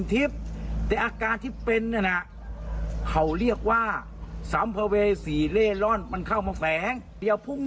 ไม่อยากให้แม่เป็นอะไรไปแล้วนอนร้องไห้แท่ทุกคืน